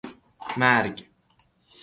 مرگ